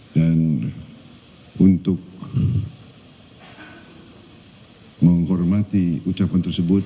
dan untuk menghormati ucapan tersebut